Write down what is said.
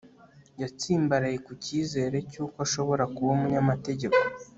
Yatsimbaraye ku cyizere cyuko ashobora kuba umunyamategeko